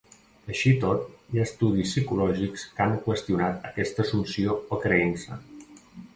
Així i tot, hi ha estudis psicològics que han qüestionat aquesta assumpció o creença.